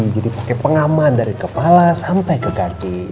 jadi pakai pengaman dari kepala sampai ke ganti